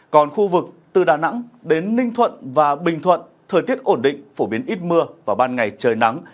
còn khu vực từ đà nẵng đến ninh thuận và bình thuận thời tiết ổn định phổ biến ít mưa và ban ngày trời nắng